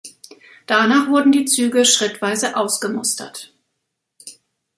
Danach wurden die Züge schrittweise ausgemustert.